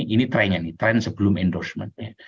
ini trennya nih tren sebelum endorsement